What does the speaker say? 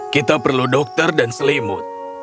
kita perlu dokter dan selimut